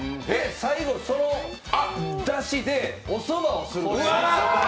最後、そのだしでおそばをするんです。